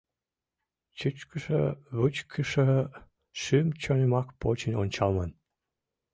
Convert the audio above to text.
Чӱчкышӧ-вӱчкышӧ шӱм-чонымак почын ончалман.